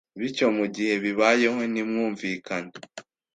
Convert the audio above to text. bityo mu gihe bibayeho ntimwumvikane